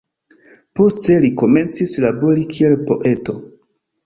Poste, li komencis labori kiel poeto.